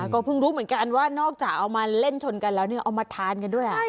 ก็เพิ่งรู้เหมือนกันว่านอกจากเอามาเล่นชนกันแล้วเนี่ยเอามาทานกันด้วย